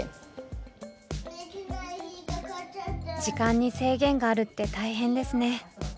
時間に制限があるって大変ですね。